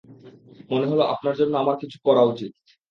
মনে হলো আপনার জন্য আমার কিছু করা উচিত।